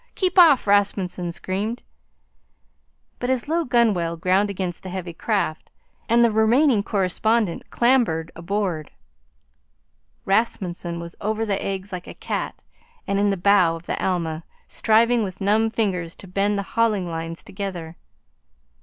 Keep off!" Rasmunsen screamed. But his low gunwale ground against the heavy craft, and the remaining correspondent clambered aboard. Rasmunsen was over the eggs like a cat and in the bow of the Alma, striving with numb fingers to bend the hauling lines together.